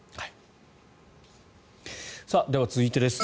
では、続いてです。